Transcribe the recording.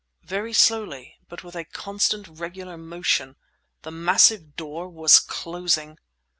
Very slowly, but with a constant, regular motion, the massive door was closing!